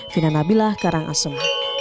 fina nabilah karangasem